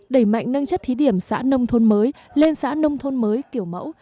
đẩy mạnh nâng chất thí điểm xã nông thôn mới lên xã nông thôn mới kiểu mẫu